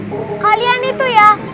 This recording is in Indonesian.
wah kalian itu ya